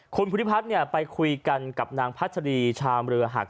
ขุนภุติพัทรไปคุยกันกับนางพัฒนีชามระยะหัก